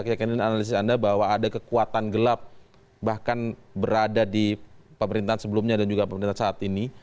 keyakinan analisis anda bahwa ada kekuatan gelap bahkan berada di pemerintahan sebelumnya dan juga pemerintah saat ini